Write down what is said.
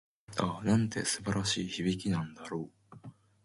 ああ、なんて素晴らしい響きなんだろう。